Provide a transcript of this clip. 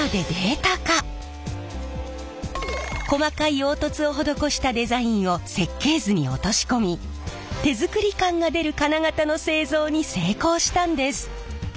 細かい凹凸を施したデザインを設計図に落とし込み手作り感が出る金型の製造に成功したんです！